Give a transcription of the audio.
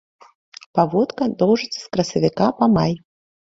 Паводка доўжыцца з красавіка па май.